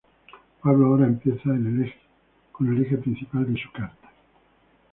Pablo ahora empieza con el eje principal de su carta.